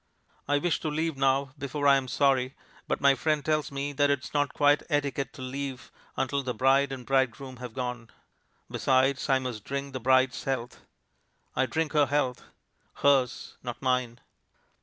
I wish to leave now, before I am sorry, but my friend tells me that it is not etiquette to leave until the bride and bridegroom have gone. Besides, I must drink the bride's health. I drink her health; hers, not mine.